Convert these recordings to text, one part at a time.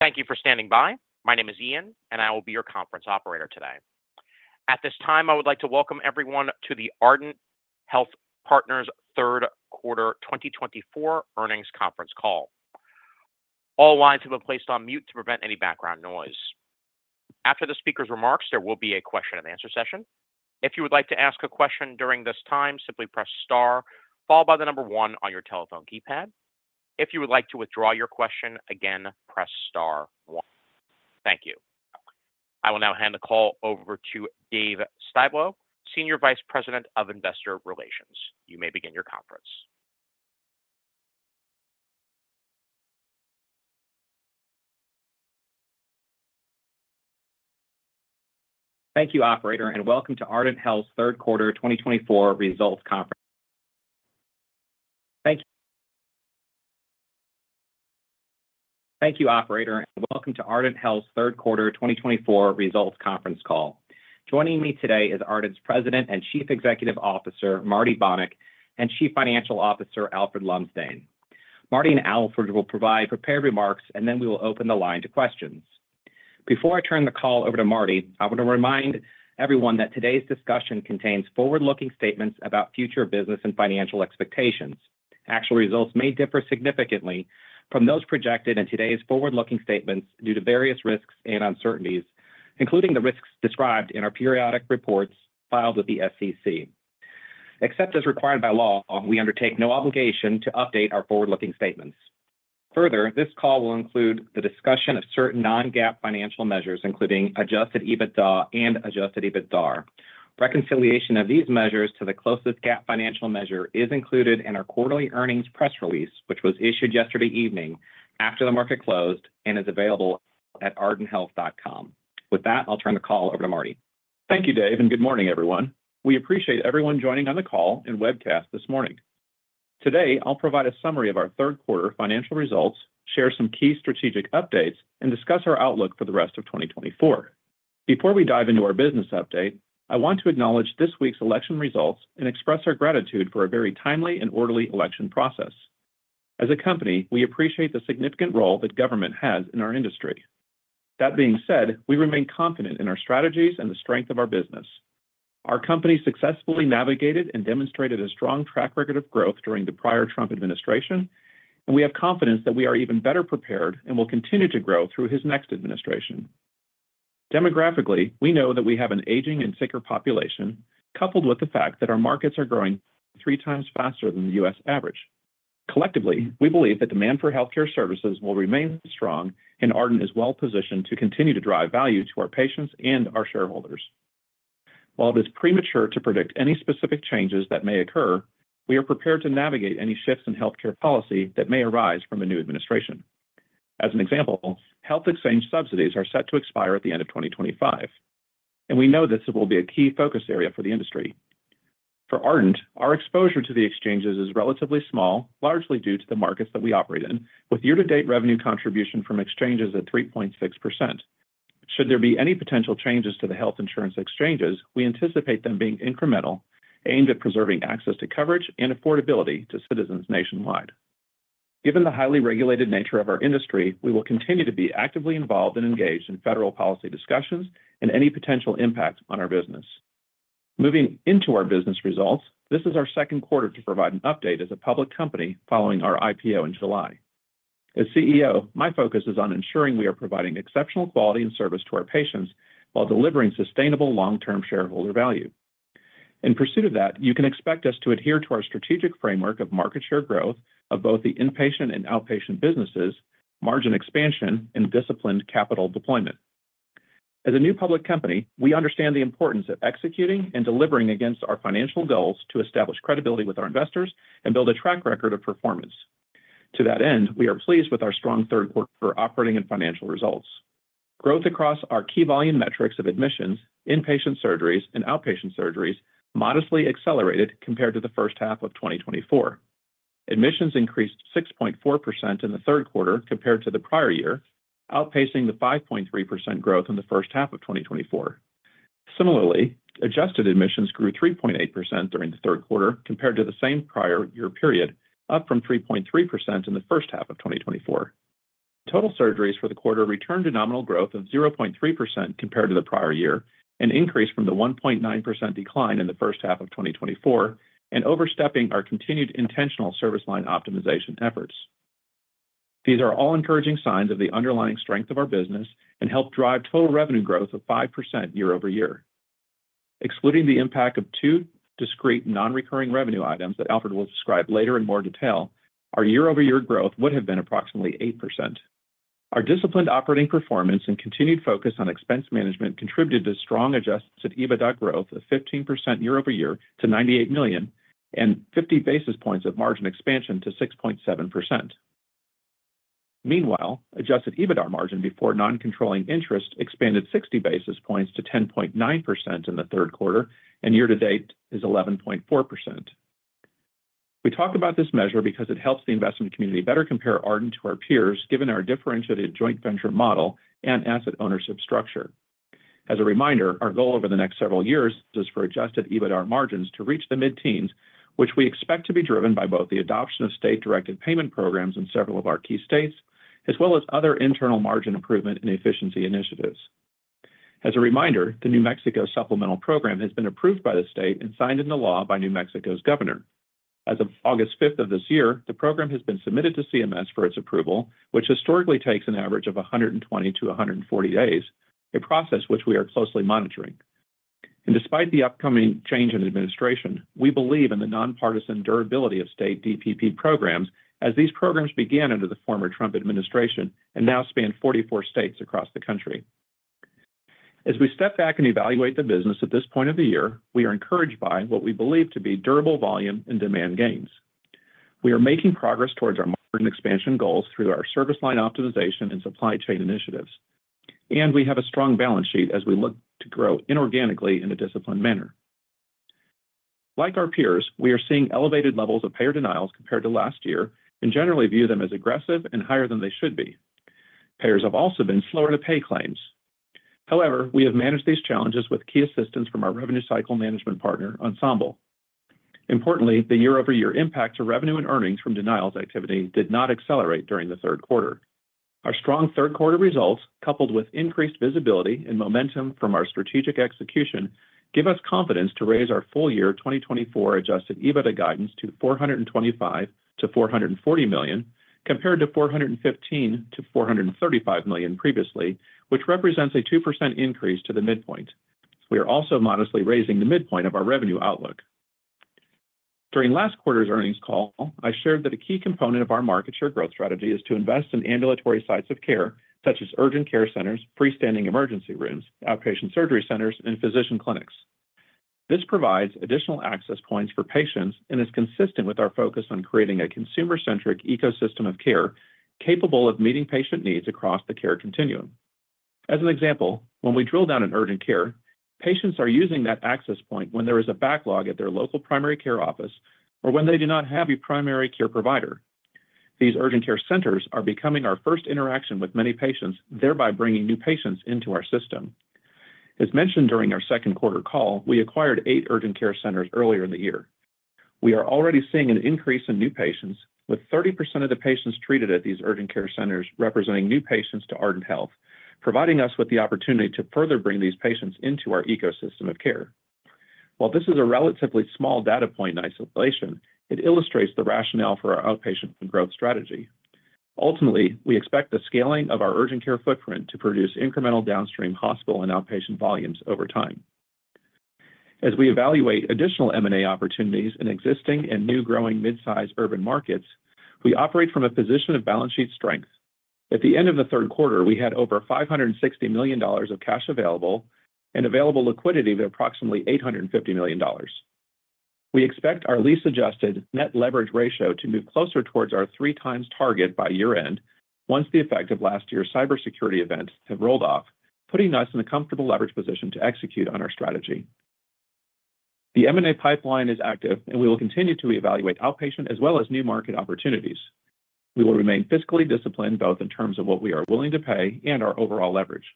Thank you for standing by. My name is Ian, and I will be your conference operator today. At this time, I would like to welcome everyone to the Ardent Health Partners' third quarter 2024 earnings conference call. All lines have been placed on mute to prevent any background noise. After the speaker's remarks, there will be a question-and-answer session. If you would like to ask a question during this time, simply press star, followed by the number one on your telephone keypad. If you would like to withdraw your question again, press star one. Thank you. I will now hand the call over to Dave Styblo, Senior Vice President of Investor Relations. You may begin your conference. Thank you, Operator, and welcome to Ardent Health's third quarter 2024 results conference call. Joining me today is Ardent's President and Chief Executive Officer, Marty Bonick, and Chief Financial Officer, Alfred Lumsdaine. Marty and Alfred will provide prepared remarks, and then we will open the line to questions. Before I turn the call over to Marty, I want to remind everyone that today's discussion contains forward-looking statements about future business and financial expectations. Actual results may differ significantly from those projected in today's forward-looking statements due to various risks and uncertainties, including the risks described in our periodic reports filed with the SEC. Except as required by law, we undertake no obligation to update our forward-looking statements. Further, this call will include the discussion of certain non-GAAP financial measures, including adjusted EBITDA and adjusted EBITDAR. Reconciliation of these measures to the closest GAAP financial measure is included in our quarterly earnings press release, which was issued yesterday evening after the market closed and is available at ardenthealth.com. With that, I'll turn the call over to Marty. Thank you, Dave, and good morning, everyone. We appreciate everyone joining on the call and webcast this morning. Today, I'll provide a summary of our third quarter financial results, share some key strategic updates, and discuss our outlook for the rest of 2024. Before we dive into our business update, I want to acknowledge this week's election results and express our gratitude for a very timely and orderly election process. As a company, we appreciate the significant role that government has in our industry. That being said, we remain confident in our strategies and the strength of our business. Our company successfully navigated and demonstrated a strong track record of growth during the prior Trump administration, and we have confidence that we are even better prepared and will continue to grow through his next administration. Demographically, we know that we have an aging and sicker population, coupled with the fact that our markets are growing three times faster than the U.S. average. Collectively, we believe that demand for healthcare services will remain strong, and Ardent is well-positioned to continue to drive value to our patients and our shareholders. While it is premature to predict any specific changes that may occur, we are prepared to navigate any shifts in healthcare policy that may arise from a new administration. As an example, health exchange subsidies are set to expire at the end of 2025, and we know this will be a key focus area for the industry. For Ardent, our exposure to the exchanges is relatively small, largely due to the markets that we operate in, with year-to-date revenue contribution from exchanges at 3.6%. Should there be any potential changes to the health insurance exchanges, we anticipate them being incremental, aimed at preserving access to coverage and affordability to citizens nationwide. Given the highly regulated nature of our industry, we will continue to be actively involved and engaged in federal policy discussions and any potential impact on our business. Moving into our business results, this is our second quarter to provide an update as a public company following our IPO in July. As CEO, my focus is on ensuring we are providing exceptional quality and service to our patients while delivering sustainable long-term shareholder value. In pursuit of that, you can expect us to adhere to our strategic framework of market share growth of both the inpatient and outpatient businesses, margin expansion, and disciplined capital deployment. As a new public company, we understand the importance of executing and delivering against our financial goals to establish credibility with our investors and build a track record of performance. To that end, we are pleased with our strong third quarter for operating and financial results. Growth across our key volume metrics of admissions, inpatient surgeries, and outpatient surgeries modestly accelerated compared to the first half of 2024. Admissions increased 6.4% in the third quarter compared to the prior year, outpacing the 5.3% growth in the first half of 2024. Similarly, adjusted admissions grew 3.8% during the third quarter compared to the same prior year period, up from 3.3% in the first half of 2024. Total surgeries for the quarter returned to nominal growth of 0.3% compared to the prior year, an increase from the 1.9% decline in the first half of 2024, and overstepping our continued intentional service line optimization efforts. These are all encouraging signs of the underlying strength of our business and help drive total revenue growth of 5% year over year. Excluding the impact of two discrete non-recurring revenue items that Alfred will describe later in more detail, our year-over-year growth would have been approximately 8%. Our disciplined operating performance and continued focus on expense management contributed to strong adjusted EBITDA growth of 15% year over year to $98 million and 50 basis points of margin expansion to 6.7%. Meanwhile, adjusted EBITDA margin before non-controlling interest expanded 60 basis points to 10.9% in the third quarter, and year-to-date is 11.4%. We talk about this measure because it helps the investment community better compare Ardent to our peers, given our differentiated joint venture model and asset ownership structure. As a reminder, our goal over the next several years is for Adjusted EBITDA margins to reach the mid-teens, which we expect to be driven by both the adoption of state-directed payment programs in several of our key states, as well as other internal margin improvement and efficiency initiatives. As a reminder, the New Mexico Supplemental Program has been approved by the state and signed into law by New Mexico's governor. As of August 5th of this year, the program has been submitted to CMS for its approval, which historically takes an average of 120-140 days, a process which we are closely monitoring. Despite the upcoming change in administration, we believe in the nonpartisan durability of state DPP programs, as these programs began under the former Trump administration and now span 44 states across the country. As we step back and evaluate the business at this point of the year, we are encouraged by what we believe to be durable volume and demand gains. We are making progress towards our margin expansion goals through our service line optimization and supply chain initiatives, and we have a strong balance sheet as we look to grow inorganically in a disciplined manner. Like our peers, we are seeing elevated levels of payer denials compared to last year and generally view them as aggressive and higher than they should be. Payers have also been slower to pay claims. However, we have managed these challenges with key assistance from our revenue cycle management partner, Ensemble. Importantly, the year-over-year impact to revenue and earnings from denials activity did not accelerate during the third quarter. Our strong third quarter results, coupled with increased visibility and momentum from our strategic execution, give us confidence to raise our full-year 2024 Adjusted EBITDA guidance to $425 million-$440 million compared to $415 million-$435 million previously, which represents a 2% increase to the midpoint. We are also modestly raising the midpoint of our revenue outlook. During last quarter's earnings call, I shared that a key component of our market share growth strategy is to invest in ambulatory sites of care, such as urgent care centers, freestanding emergency rooms, outpatient surgery centers, and physician clinics. This provides additional access points for patients and is consistent with our focus on creating a consumer-centric ecosystem of care capable of meeting patient needs across the care continuum. As an example, when we drill down in urgent care, patients are using that access point when there is a backlog at their local primary care office or when they do not have a primary care provider. These urgent care centers are becoming our first interaction with many patients, thereby bringing new patients into our system. As mentioned during our second quarter call, we acquired eight urgent care centers earlier in the year. We are already seeing an increase in new patients, with 30% of the patients treated at these urgent care centers representing new patients to Ardent Health, providing us with the opportunity to further bring these patients into our ecosystem of care. While this is a relatively small data point isolation, it illustrates the rationale for our outpatient growth strategy. Ultimately, we expect the scaling of our urgent care footprint to produce incremental downstream hospital and outpatient volumes over time. As we evaluate additional M&A opportunities in existing and new growing mid-size urban markets, we operate from a position of balance sheet strength. At the end of the third quarter, we had over $560 million of cash available and available liquidity of approximately $850 million. We expect our LTM-adjusted net leverage ratio to move closer towards our three-times target by year-end, once the effect of last year's cybersecurity events has rolled off, putting us in a comfortable leverage position to execute on our strategy. The M&A pipeline is active, and we will continue to evaluate outpatient as well as new market opportunities. We will remain fiscally disciplined, both in terms of what we are willing to pay and our overall leverage,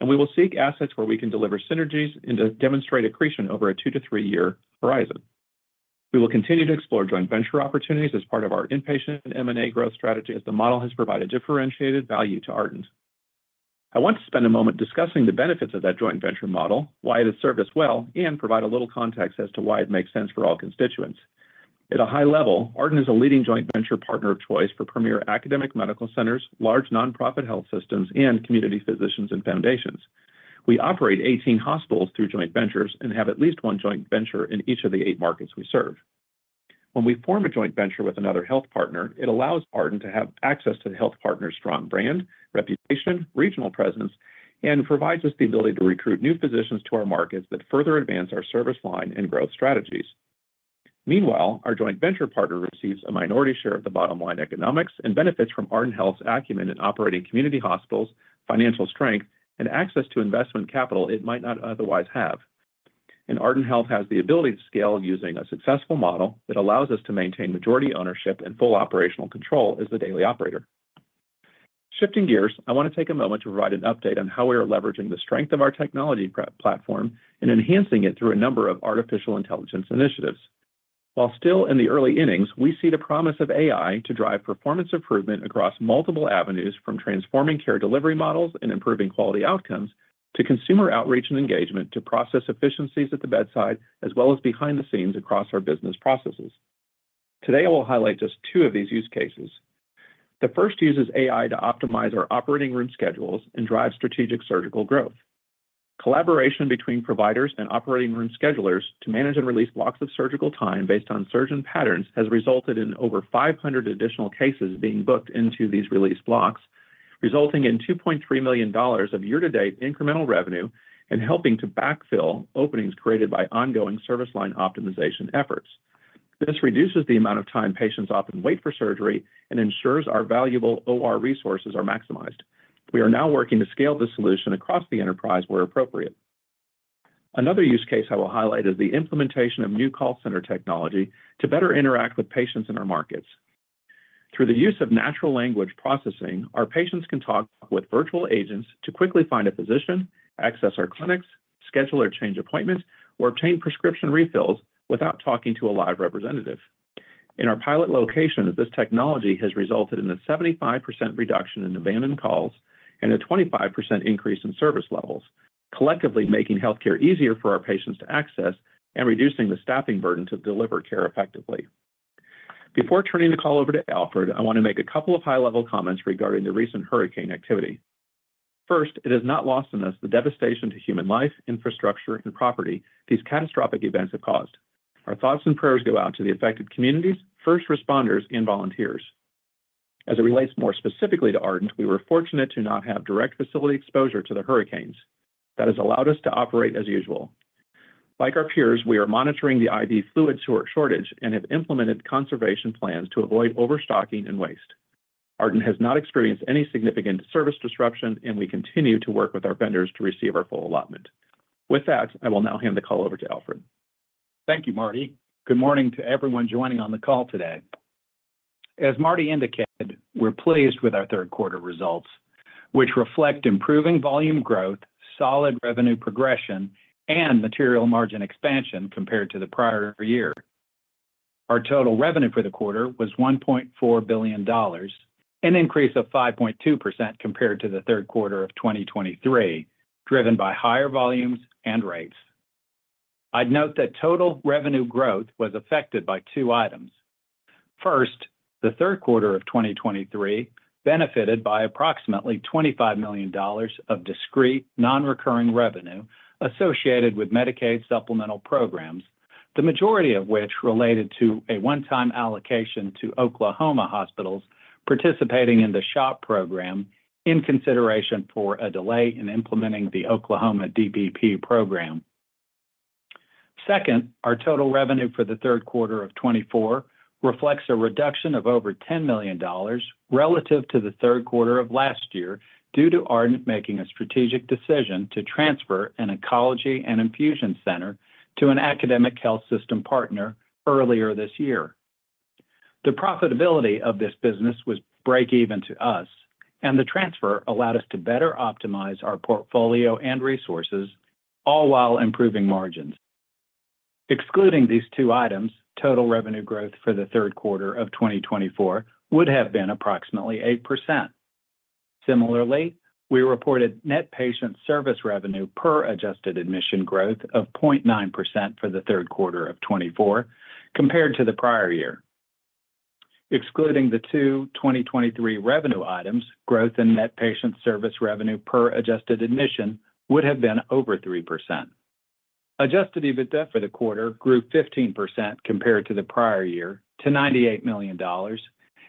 and we will seek assets where we can deliver synergies and demonstrate accretion over a two- to three-year horizon. We will continue to explore joint venture opportunities as part of our inpatient M&A growth strategy, as the model has provided differentiated value to Ardent. I want to spend a moment discussing the benefits of that joint venture model, why it has served us well, and provide a little context as to why it makes sense for all constituents. At a high level, Ardent is a leading joint venture partner of choice for premier academic medical centers, large nonprofit health systems, and community physicians and foundations. We operate 18 hospitals through joint ventures and have at least one joint venture in each of the eight markets we serve. When we form a joint venture with another health partner, it allows Ardent to have access to the health partner's strong brand, reputation, regional presence, and provides us the ability to recruit new physicians to our markets that further advance our service line and growth strategies. Meanwhile, our joint venture partner receives a minority share of the bottom line economics and benefits from Ardent Health's acumen in operating community hospitals, financial strength, and access to investment capital it might not otherwise have, and Ardent Health has the ability to scale using a successful model that allows us to maintain majority ownership and full operational control as the daily operator. Shifting gears, I want to take a moment to provide an update on how we are leveraging the strength of our technology platform and enhancing it through a number of artificial intelligence initiatives. While still in the early innings, we see the promise of AI to drive performance improvement across multiple avenues, from transforming care delivery models and improving quality outcomes to consumer outreach and engagement to process efficiencies at the bedside, as well as behind the scenes across our business processes. Today, I will highlight just two of these use cases. The first uses AI to optimize our operating room schedules and drive strategic surgical growth. Collaboration between providers and operating room schedulers to manage and release blocks of surgical time based on surgeon patterns has resulted in over 500 additional cases being booked into these release blocks, resulting in $2.3 million of year-to-date incremental revenue and helping to backfill openings created by ongoing service line optimization efforts. This reduces the amount of time patients often wait for surgery and ensures our valuable OR resources are maximized. We are now working to scale this solution across the enterprise where appropriate. Another use case I will highlight is the implementation of new call center technology to better interact with patients in our markets. Through the use of natural language processing, our patients can talk with virtual agents to quickly find a physician, access our clinics, schedule or change appointments, or obtain prescription refills without talking to a live representative. In our pilot locations, this technology has resulted in a 75% reduction in abandoned calls and a 25% increase in service levels, collectively making healthcare easier for our patients to access and reducing the staffing burden to deliver care effectively. Before turning the call over to Alfred, I want to make a couple of high-level comments regarding the recent hurricane activity. First, it has not been lost on us the devastation to human life, infrastructure, and property these catastrophic events have caused. Our thoughts and prayers go out to the affected communities, first responders, and volunteers. As it relates more specifically to Ardent, we were fortunate to not have direct facility exposure to the hurricanes. That has allowed us to operate as usual. Like our peers, we are monitoring the IV fluid shortage and have implemented conservation plans to avoid overstocking and waste. Ardent has not experienced any significant service disruption, and we continue to work with our vendors to receive our full allotment. With that, I will now hand the call over to Alfred. Thank you, Marty. Good morning to everyone joining on the call today. As Marty indicated, we're pleased with our third quarter results, which reflect improving volume growth, solid revenue progression, and material margin expansion compared to the prior year. Our total revenue for the quarter was $1.4 billion, an increase of 5.2% compared to the third quarter of 2023, driven by higher volumes and rates. I'd note that total revenue growth was affected by two items. First, the third quarter of 2023 benefited by approximately $25 million of discrete non-recurring revenue associated with Medicaid supplemental programs, the majority of which related to a one-time allocation to Oklahoma hospitals participating in the SHOP program in consideration for a delay in implementing the Oklahoma DPP program. Second, our total revenue for the third quarter of 2024 reflects a reduction of over $10 million relative to the third quarter of last year due to Ardent making a strategic decision to transfer an oncology and infusion center to an academic health system partner earlier this year. The profitability of this business was break-even to us, and the transfer allowed us to better optimize our portfolio and resources, all while improving margins. Excluding these two items, total revenue growth for the third quarter of 2024 would have been approximately 8%. Similarly, we reported net patient service revenue per adjusted admission growth of 0.9% for the third quarter of 2024 compared to the prior year. Excluding the two 2023 revenue items, growth in net patient service revenue per adjusted admission would have been over 3%. Adjusted EBITDA for the quarter grew 15% compared to the prior year to $98 million,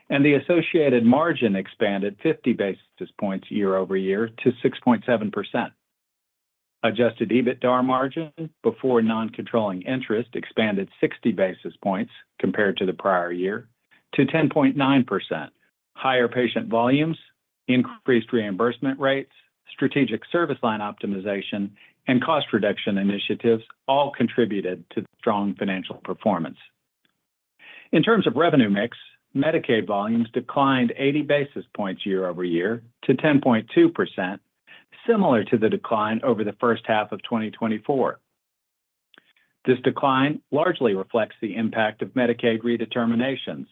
and the associated margin expanded 50 basis points year over year to 6.7%. Adjusted EBITDA margin before non-controlling interest expanded 60 basis points compared to the prior year to 10.9%. Higher patient volumes, increased reimbursement rates, strategic service line optimization, and cost reduction initiatives all contributed to the strong financial performance. In terms of revenue mix, Medicaid volumes declined 80 basis points year over year to 10.2%, similar to the decline over the first half of 2024. This decline largely reflects the impact of Medicaid redeterminations.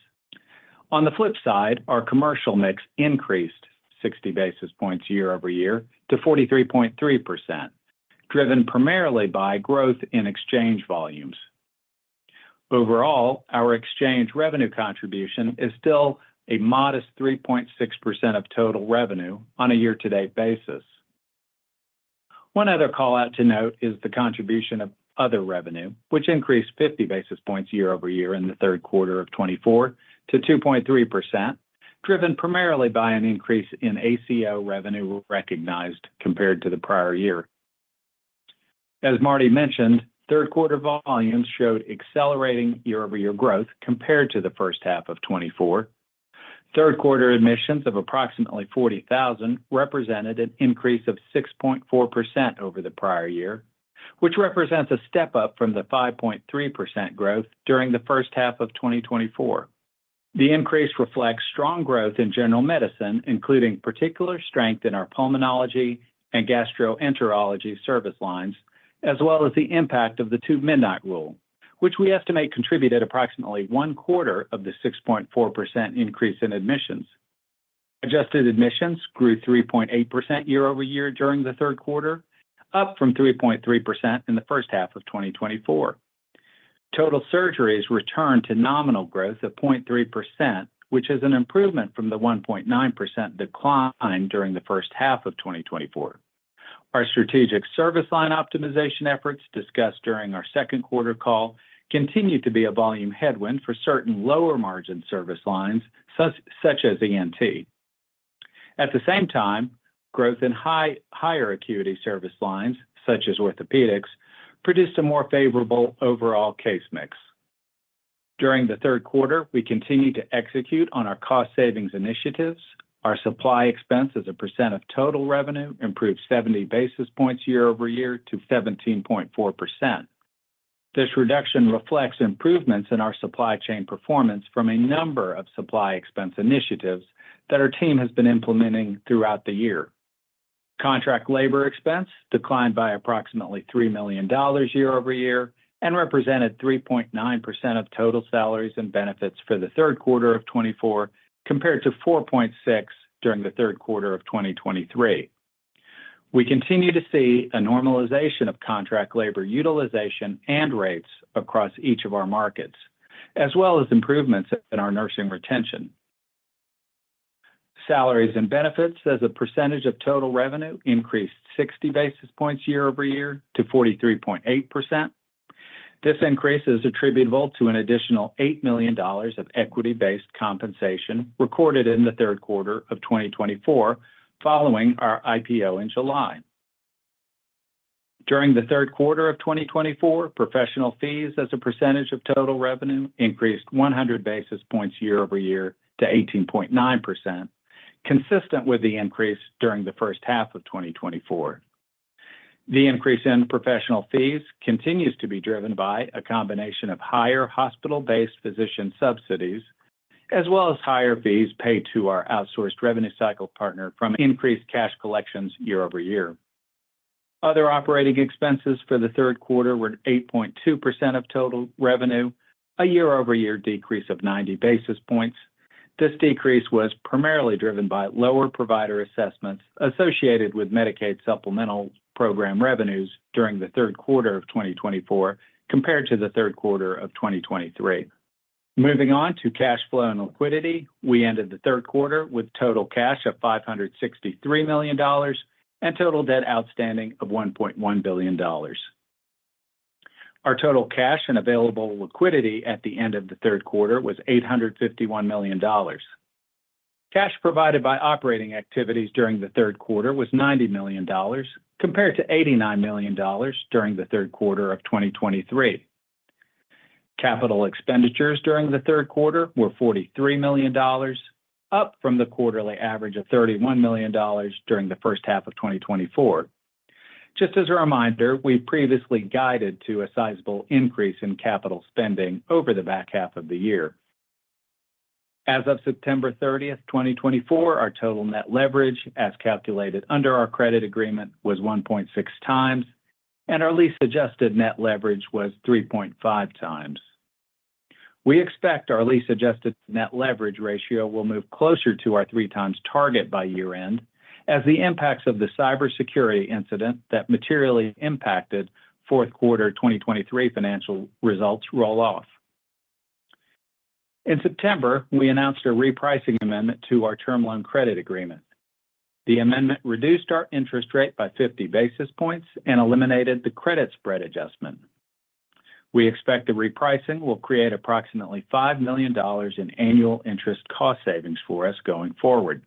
On the flip side, our commercial mix increased 60 basis points year over year to 43.3%, driven primarily by growth in exchange volumes. Overall, our exchange revenue contribution is still a modest 3.6% of total revenue on a year-to-date basis. One other callout to note is the contribution of other revenue, which increased 50 basis points year over year in the third quarter of 2024 to 2.3%, driven primarily by an increase in ACO revenue recognized compared to the prior year. As Marty mentioned, third quarter volumes showed accelerating year-over-year growth compared to the first half of 2024. Third quarter admissions of approximately 40,000 represented an increase of 6.4% over the prior year, which represents a step up from the 5.3% growth during the first half of 2024. The increase reflects strong growth in general medicine, including particular strength in our pulmonology and gastroenterology service lines, as well as the impact of the Two-Midnight Rule, which we estimate contributed approximately one quarter of the 6.4% increase in admissions. Adjusted admissions grew 3.8% year over year during the third quarter, up from 3.3% in the first half of 2024. Total surgeries returned to nominal growth of 0.3%, which is an improvement from the 1.9% decline during the first half of 2024. Our strategic service line optimization efforts discussed during our second quarter call continue to be a volume headwind for certain lower margin service lines, such as ENT. At the same time, growth in higher acuity service lines, such as orthopedics, produced a more favorable overall case mix. During the third quarter, we continued to execute on our cost savings initiatives. Our supply expense as a percent of total revenue improved 70 basis points year over year to 17.4%. This reduction reflects improvements in our supply chain performance from a number of supply expense initiatives that our team has been implementing throughout the year. Contract labor expense declined by approximately $3 million year over year and represented 3.9% of total salaries and benefits for the third quarter of 2024 compared to 4.6% during the third quarter of 2023. We continue to see a normalization of contract labor utilization and rates across each of our markets, as well as improvements in our nursing retention. Salaries and benefits as a percentage of total revenue increased 60 basis points year over year to 43.8%. This increase is attributable to an additional $8 million of equity-based compensation recorded in the third quarter of 2024 following our IPO in July. During the third quarter of 2024, professional fees as a percentage of total revenue increased 100 basis points year over year to 18.9%, consistent with the increase during the first half of 2024. The increase in professional fees continues to be driven by a combination of higher hospital-based physician subsidies, as well as higher fees paid to our outsourced revenue cycle partner from increased cash collections year over year. Other operating expenses for the third quarter were 8.2% of total revenue, a year-over-year decrease of 90 basis points. This decrease was primarily driven by lower provider assessments associated with Medicaid supplemental program revenues during the third quarter of 2024 compared to the third quarter of 2023. Moving on to cash flow and liquidity, we ended the third quarter with total cash of $563 million and total debt outstanding of $1.1 billion. Our total cash and available liquidity at the end of the third quarter was $851 million. Cash provided by operating activities during the third quarter was $90 million compared to $89 million during the third quarter of 2023. Capital expenditures during the third quarter were $43 million, up from the quarterly average of $31 million during the first half of 2024. Just as a reminder, we previously guided to a sizable increase in capital spending over the back half of the year. As of September 30th, 2024, our total net leverage, as calculated under our credit agreement, was 1.6 times, and our LTM adjusted net leverage was 3.5 times. We expect our LTM adjusted net leverage ratio will move closer to our three-times target by year-end, as the impacts of the cybersecurity incident that materially impacted fourth quarter 2023 financial results roll off. In September, we announced a repricing amendment to our term loan credit agreement. The amendment reduced our interest rate by 50 basis points and eliminated the credit spread adjustment. We expect the repricing will create approximately $5 million in annual interest cost savings for us going forward.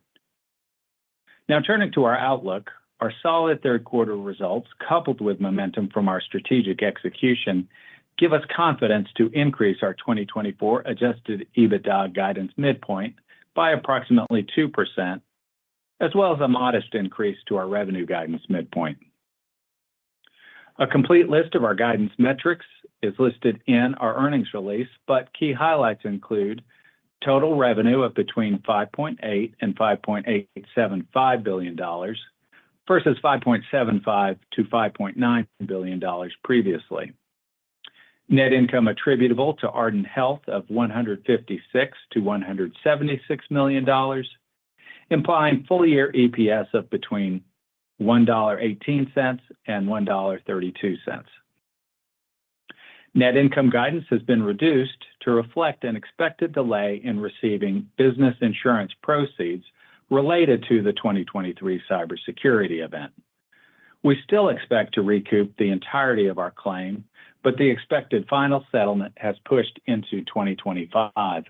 Now, turning to our outlook, our solid third quarter results, coupled with momentum from our strategic execution, give us confidence to increase our 2024 Adjusted EBITDA guidance midpoint by approximately 2%, as well as a modest increase to our revenue guidance midpoint. A complete list of our guidance metrics is listed in our earnings release, but key highlights include total revenue of between $5.8 and $5.875 billion versus $5.75-$5.9 billion previously. Net income attributable to Ardent Health of $156-$176 million, implying full-year EPS of between $1.18 and $1.32. Net income guidance has been reduced to reflect an expected delay in receiving business insurance proceeds related to the 2023 cybersecurity event. We still expect to recoup the entirety of our claim, but the expected final settlement has pushed into 2025.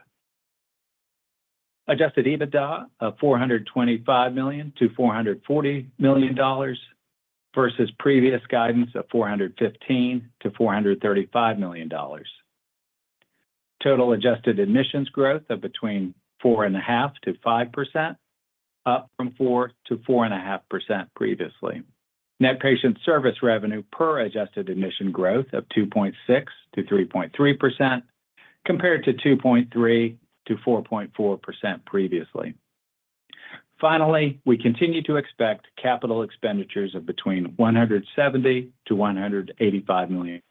Adjusted EBITDA of $425-$440 million versus previous guidance of $415-$435 million. Total adjusted admissions growth of between 4.5%-5%, up from 4%-4.5% previously. Net patient service revenue per adjusted admission growth of 2.6%-3.3% compared to 2.3%-4.4% previously. Finally, we continue to expect capital expenditures of between $170-$185 million.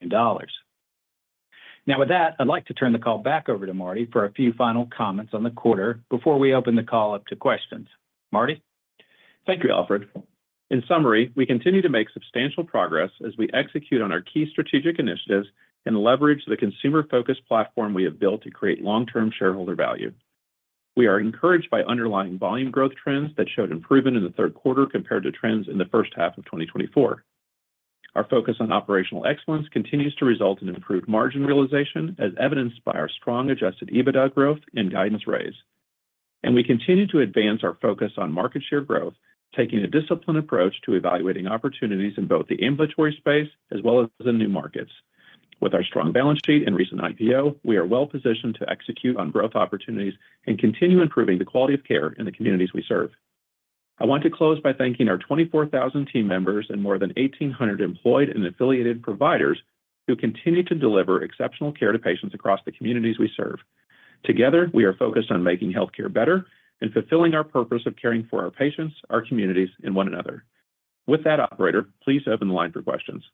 Now, with that, I'd like to turn the call back over to Marty for a few final comments on the quarter before we open the call up to questions. Marty? Thank you, Alfred. In summary, we continue to make substantial progress as we execute on our key strategic initiatives and leverage the consumer-focused platform we have built to create long-term shareholder value. We are encouraged by underlying volume growth trends that showed improvement in the third quarter compared to trends in the first half of 2024. Our focus on operational excellence continues to result in improved margin realization, as evidenced by our strong Adjusted EBITDA growth and guidance raise, and we continue to advance our focus on market share growth, taking a disciplined approach to evaluating opportunities in both the inventory space as well as the new markets. With our strong balance sheet and recent IPO, we are well positioned to execute on growth opportunities and continue improving the quality of care in the communities we serve. I want to close by thanking our 24,000 team members and more than 1,800 employed and affiliated providers who continue to deliver exceptional care to patients across the communities we serve. Together, we are focused on making healthcare better and fulfilling our purpose of caring for our patients, our communities, and one another. With that, Operator, please open the line for questions.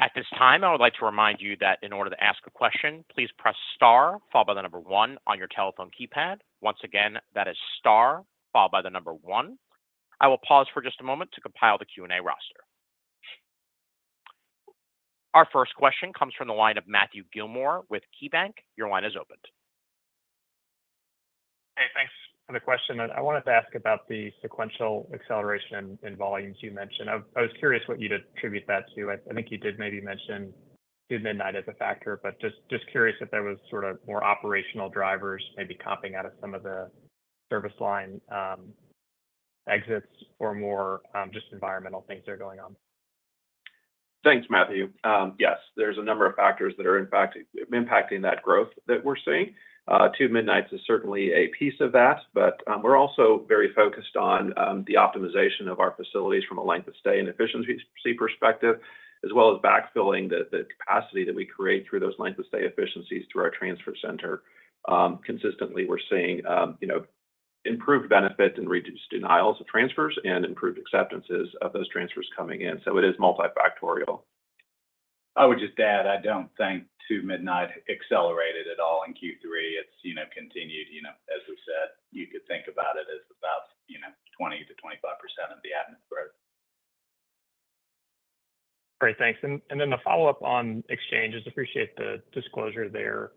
At this time, I would like to remind you that in order to ask a question, please press Star, followed by the number one on your telephone keypad. Once again, that is Star, followed by the number one. I will pause for just a moment to compile the Q&A roster. Our first question comes from the line of Matthew Gillmor with KeyBank. Your line is opened. Hey, thanks for the question. I wanted to ask about the sequential acceleration in volumes you mentioned. I was curious what you'd attribute that to? I think you did maybe mention midnight as a factor, but just curious if there were sort of more operational drivers maybe copying out of some of the service line exits or more just environmental things that are going on? Thanks, Matthew. Yes, there's a number of factors that are impacting that growth that we're seeing. Midnight is certainly a piece of that, but we're also very focused on the optimization of our facilities from a length of stay and efficiency perspective, as well as backfilling the capacity that we create through those length of stay efficiencies through our transfer center. Consistently, we're seeing improved benefit and reduced denials of transfers and improved acceptances of those transfers coming in. So it is multifactorial. I would just add, I don't think midnight accelerated at all in Q3. It's continued, as we said. You could think about it as about 20%-25% of the admin growth. Great, thanks. And then the follow-up on exchanges. Appreciate the disclosure there.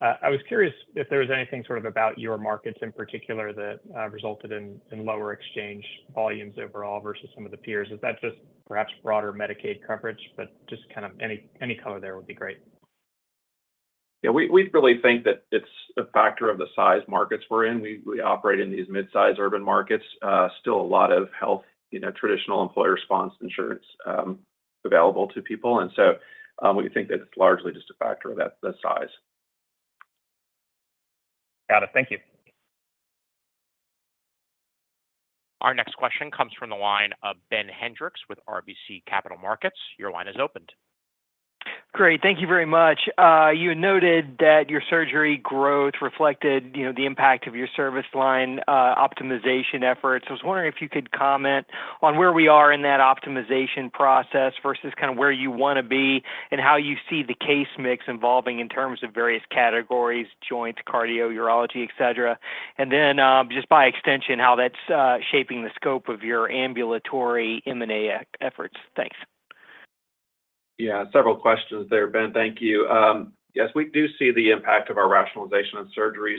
I was curious if there was anything sort of about your markets in particular that resulted in lower exchange volumes overall versus some of the peers. Is that just perhaps broader Medicaid coverage, but just kind of any color there would be great. Yeah, we really think that it's a factor of the size markets we're in. We operate in these mid-size urban markets. Still a lot of health, traditional employer-sponsored insurance available to people. And so we think that's largely just a factor of that size. Got it. Thank you. Our next question comes from the line of Ben Hendricks with RBC Capital Markets. Your line is open. Great. Thank you very much. You noted that your surgery growth reflected the impact of your service line optimization efforts. I was wondering if you could comment on where we are in that optimization process versus kind of where you want to be and how you see the case mix evolving in terms of various categories: joints, cardio, urology, etc. And then just by extension, how that's shaping the scope of your ambulatory M&A efforts. Thanks. Yeah, several questions there, Ben. Thank you. Yes, we do see the impact of our rationalization of surgeries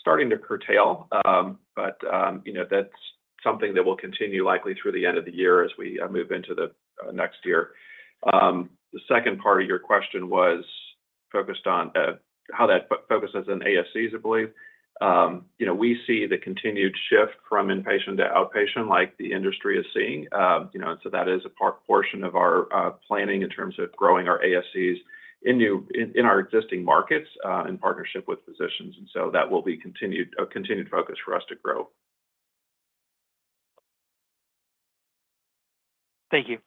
starting to curtail, but that's something that will continue likely through the end of the year as we move into the next year. The second part of your question was focused on how that focuses on ASCs, I believe. We see the continued shift from inpatient to outpatient like the industry is seeing. And so that is a portion of our planning in terms of growing our ASCs in our existing markets in partnership with physicians. And so that will be a continued focus for us to grow. Thank you.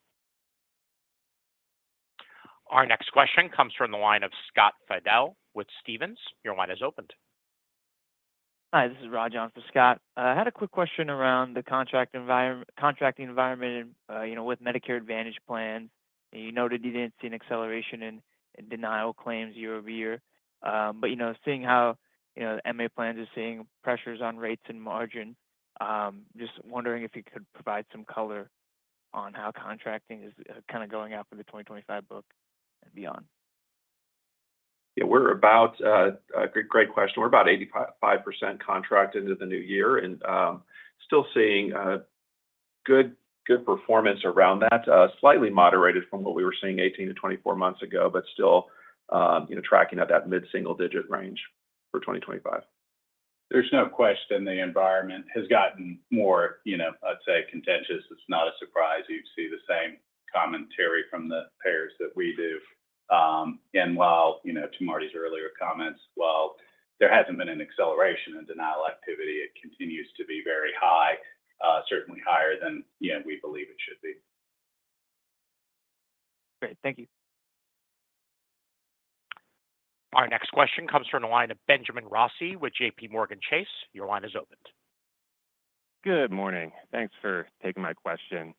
Our next question comes from the line of Scott Fidel with Stephens. Your line is open. Hi, this is Rod Johnson with Scott. I had a quick question around the contracting environment with Medicare Advantage plans. You noted you didn't see an acceleration in denial claims year over year, but seeing how MA plans are seeing pressures on rates and margin, just wondering if you could provide some color on how contracting is kind of going out for the 2025 book and beyond. Yeah, that's a great question. We're about 85% contracted into the new year and still seeing good performance around that, slightly moderated from what we were seeing 18-24 months ago, but still tracking at that mid-single-digit range for 2025. There's no question the environment has gotten more, I'd say, contentious. It's not a surprise. You see the same commentary from the payers that we do. And while to Marty's earlier comments, while there hasn't been an acceleration in denial activity, it continues to be very high, certainly higher than we believe it should be. Great. Thank you. Our next question comes from the line of Benjamin Rossi with J.P. Morgan. Your line is opened. Good morning. Thanks for taking my question.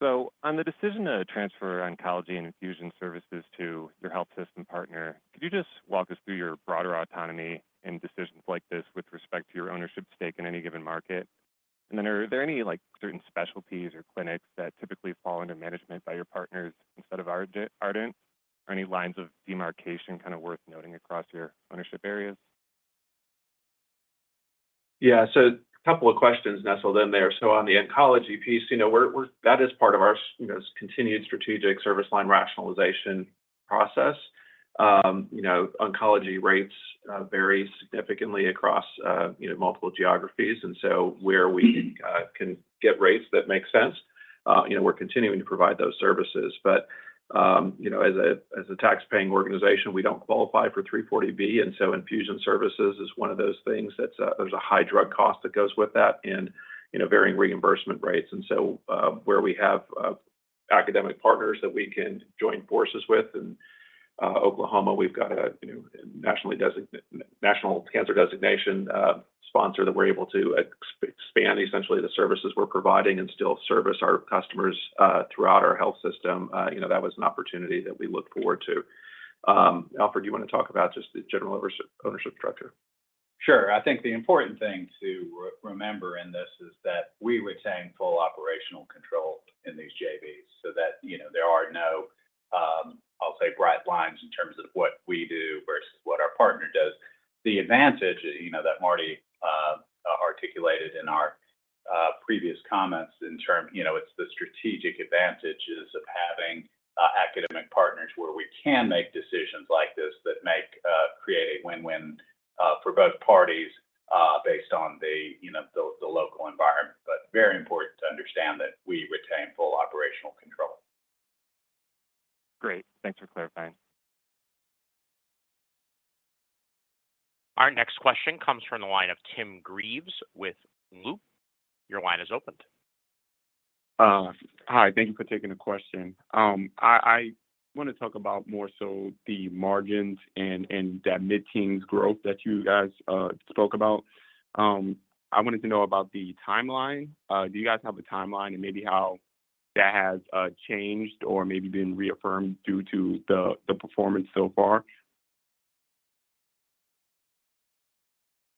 So on the decision to transfer oncology and infusion services to your health system partner, could you just walk us through your broader autonomy in decisions like this with respect to your ownership stake in any given market? And then are there any certain specialties or clinics that typically fall under management by your partners instead of Ardent? Are any lines of demarcation kind of worth noting across your ownership areas? Yeah, so a couple of questions nestled in there. So on the oncology piece, that is part of our continued strategic service line rationalization process. Oncology rates vary significantly across multiple geographies, and so where we can get rates that make sense, we're continuing to provide those services. But as a tax-paying organization, we don't qualify for 340B, and so infusion services is one of those things that there's a high drug cost that goes with that and varying reimbursement rates. And so where we have academic partners that we can join forces with, in Oklahoma, we've got a national cancer designation sponsor that we're able to expand essentially the services we're providing and still service our customers throughout our health system. That was an opportunity that we looked forward to. Alfred, do you want to talk about just the general ownership structure? Sure. I think the important thing to remember in this is that we retain full operational control in these JVs so that there are no, I'll say, bright lines in terms of what we do versus what our partner does. The advantage that Marty articulated in our previous comments in terms of it's the strategic advantages of having academic partners where we can make decisions like this that create a win-win for both parties based on the local environment. But very important to understand that we retain full operational control. Great. Thanks for clarifying. Our next question comes from the line of Tim Greaves with Loop. Your line is open. Hi. Thank you for taking the question. I want to talk about more so the margins and that mid-teens growth that you guys spoke about. I wanted to know about the timeline. Do you guys have a timeline and maybe how that has changed or maybe been reaffirmed due to the performance so far?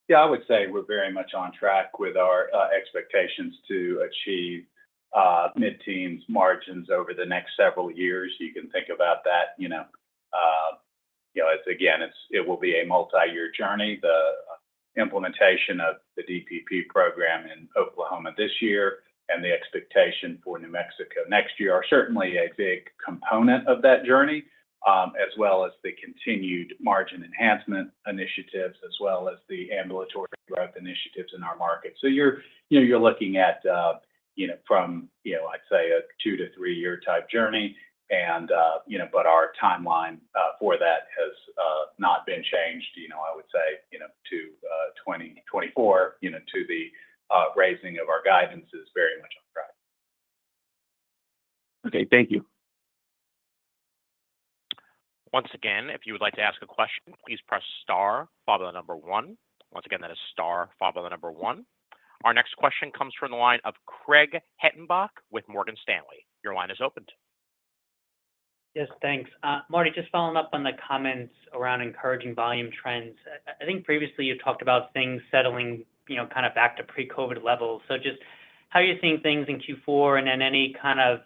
Yeah, I would say we're very much on track with our expectations to achieve mid-teens margins over the next several years. You can think about that. Again, it will be a multi-year journey. The implementation of the DPP program in Oklahoma this year and the expectation for New Mexico next year are certainly a big component of that journey, as well as the continued margin enhancement initiatives, as well as the ambulatory growth initiatives in our market. So you're looking at, from, I'd say, a two to three-year type journey, but our timeline for that has not been changed. I would say to 2024, to the raising of our guidance is very much on track. Okay. Thank you. Once again, if you would like to ask a question, please press Star, followed by the number one. Once again, that is Star, followed by the number one. Our next question comes from the line of Craig Hettenbach with Morgan Stanley. Your line is open. Yes, thanks. Marty, just following up on the comments around encouraging volume trends. I think previously you talked about things settling kind of back to pre-COVID levels. So just how are you seeing things in Q4 and then any kind of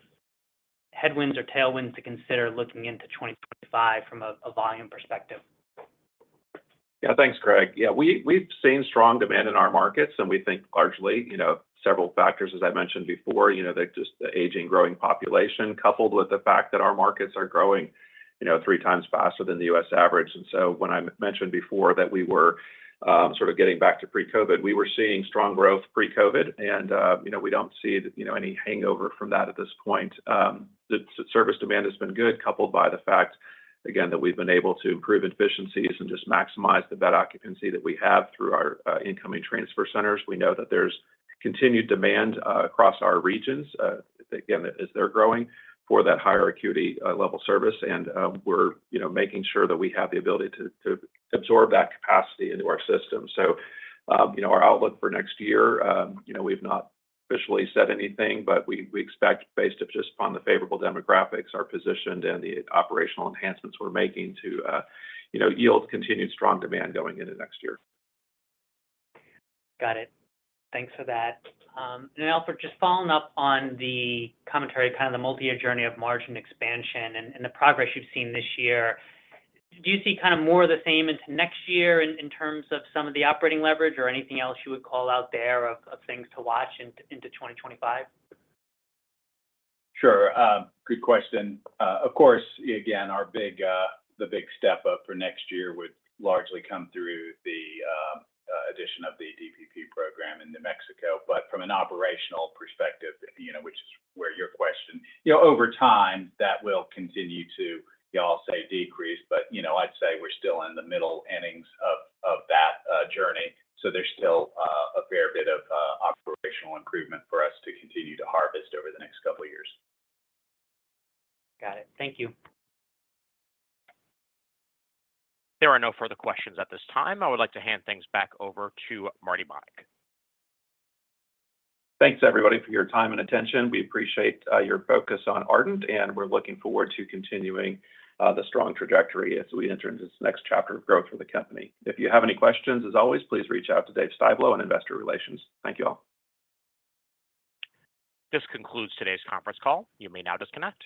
headwinds or tailwinds to consider looking into 2025 from a volume perspective? Yeah, thanks, Craig. Yeah, we've seen strong demand in our markets, and we think largely several factors, as I mentioned before, just the aging, growing population coupled with the fact that our markets are growing three times faster than the U.S. average. And so when I mentioned before that we were sort of getting back to pre-COVID, we were seeing strong growth pre-COVID, and we don't see any hangover from that at this point. The service demand has been good, coupled by the fact, again, that we've been able to improve efficiencies and just maximize the bed occupancy that we have through our incoming transfer centers. We know that there's continued demand across our regions. Again, as they're growing for that higher acuity level service, and we're making sure that we have the ability to absorb that capacity into our system. So our outlook for next year, we've not officially said anything, but we expect, based just upon the favorable demographics, our position and the operational enhancements we're making to yield continued strong demand going into next year. Got it. Thanks for that. And Alfred, just following up on the commentary, kind of the multi-year journey of margin expansion and the progress you've seen this year, do you see kind of more of the same into next year in terms of some of the operating leverage or anything else you would call out there of things to watch into 2025? Sure. Good question. Of course, again, the big step up for next year would largely come through the addition of the DPP program in New Mexico. But from an operational perspective, which is where your question, over time, that will continue to, I'll say, decrease, but I'd say we're still in the middle innings of that journey. So there's still a fair bit of operational improvement for us to continue to harvest over the next couple of years. Got it. Thank you. There are no further questions at this time. I would like to hand things back over to Marty Bonick. Thanks, everybody, for your time and attention. We appreciate your focus on Ardent, and we're looking forward to continuing the strong trajectory as we enter into this next chapter of growth for the company. If you have any questions, as always, please reach out to Dave Styblo in investor relations. Thank you all. This concludes today's conference call. You may now disconnect.